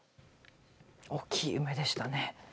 大きい梅でしたね。